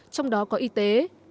trong đó có y tế